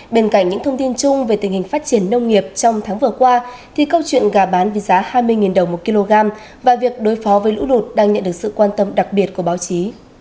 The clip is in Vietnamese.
bên cạnh những thông tin chung về tình hình phát triển nông nghiệp trong tháng vừa qua thì câu chuyện gà bán với giá hai mươi đồng một kg và việc đối phó với lũ lụt đang nhận được sự quan tâm đặc biệt của báo chí